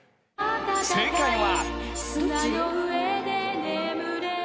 ［正解は］